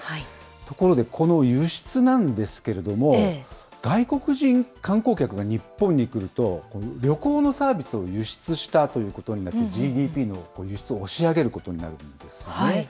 ところでこの輸出なんですけれども、外国人観光客が日本に来ると、旅行のサービスを輸出したということになって、ＧＤＰの輸出を押し上げることになるんですね。